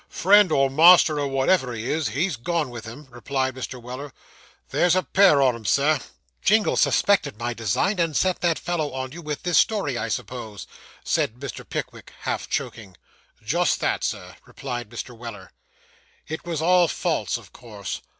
'Friend or master, or whatever he is, he's gone with him,' replied Mr. Weller. 'There's a pair on 'em, sir.' 'Jingle suspected my design, and set that fellow on you, with this story, I suppose?' said Mr. Pickwick, half choking. 'Just that, sir,' replied Mr. Weller. 'It was all false, of course?